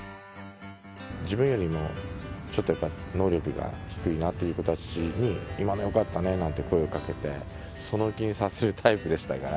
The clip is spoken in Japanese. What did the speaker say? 自分よりもちょっとやっぱり能力が低いなという子たちに、今のよかったねなんて、声をかけて、その気にさせるタイプでしたから。